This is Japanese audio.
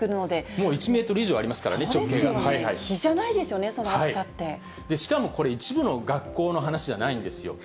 もう１メートル以上あります比じゃないですよね、その暑しかも、これ、一部の学校の話じゃないんですよ。